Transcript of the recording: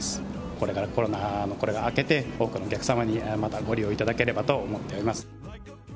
これからコロナが明けて、多くのお客様にまたご利用いただければと思っております。